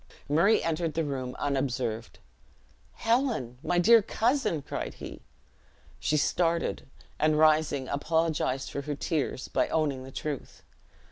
Murray entered the room unobserved. "Helen! my dear cousin!" cried he. She started, and rising, apologized for her tears by owning the truth.